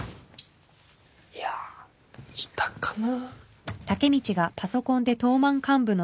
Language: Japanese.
いやぁいたかな？